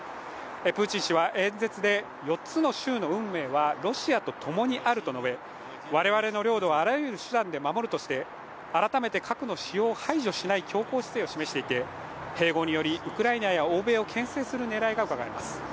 プーチン氏は演説で４つの州の運命はロシアと共にあると述べ我々の領土はあらゆる手段で守るとして改めて核の使用を排除しない強硬姿勢を示していて併合によりウクライナや欧米をけん制する狙いがうかがえます。